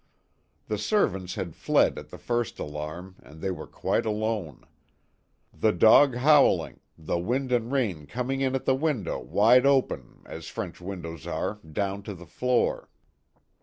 The servants had fled at the first alarm and they were quite alone. The dog howling, the wind and rain coming in at the window, wide open, as French windows are down to the floor.